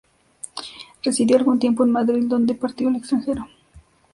Residió algún tiempo en Madrid de donde partió al extranjero.